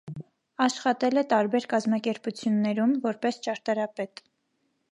Աշխատել է տարբեր կազմակերպություններում՝ որպես ճարտարապետ։